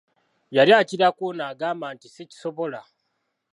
Yali akirako ono agamba nti sikisobola.